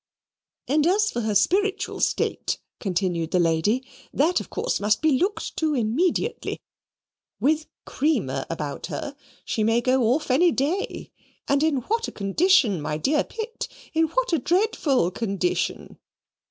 "And as for her spiritual state," continued the Lady, "that of course must be looked to immediately: with Creamer about her, she may go off any day: and in what a condition, my dear Pitt, in what a dreadful condition!